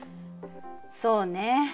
そうね。